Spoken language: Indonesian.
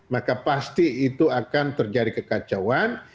maka pasti itu akan terjadi kekacauan